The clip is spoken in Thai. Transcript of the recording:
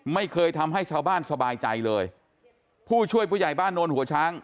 ไม่เคยทำให้ชาวบ้านสบายใจเลยผู้ช่วยผู้ใหญ่บ้านโนนหัวช้าง